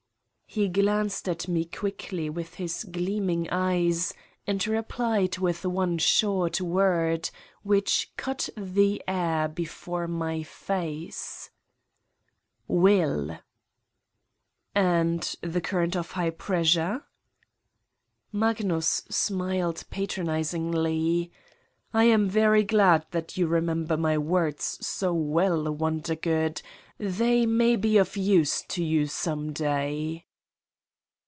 He glanced at me quickly with his gleaming eyes and replied with one short word, which cut the air before my face: "And ... the current of high pressure?" Magnus smiled patronizingly: "I am very glad that you remember my words so well, Wondergood. They may be of use to you some day."